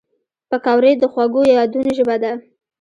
پکورې د خوږو یادونو ژبه ده